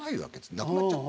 なくなっちゃった。